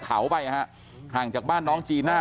เขาไปนะฮะห่างจากบ้านน้องจีน่า